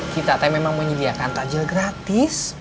kita teh memang menyediakan tajil gratis